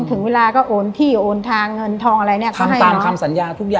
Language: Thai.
ถึงเวลาก็โอนที่โอนทางเงินทองอะไรเนี่ยค่ะทำตามคำสัญญาทุกอย่าง